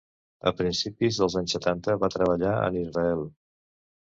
A principis dels anys setanta va treballar en Israel.